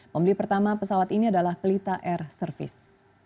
pembeli pertama pesawat ini adalah pelita air service